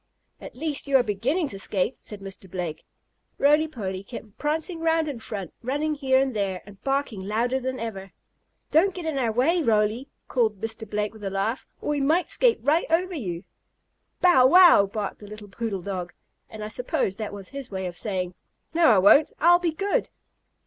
"At least you are beginning to skate," said Mr. Blake. Roly Poly kept prancing around in front, running here and there, and barking louder than ever. "Don't get in our way, Roly!" called Mr. Blake with a laugh, "or we might skate right over you!" "Bow wow!" barked the little poodle dog. And I suppose that was his way of saying: "No, I won't! I'll be good."